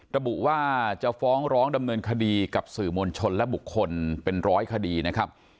ระบุว่าจะฟ้องร้องดำเนินคดีกับสื่อมวลชนและบุคคลเป็นร้อยคดีนะครับ